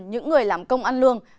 những người làm công ăn lương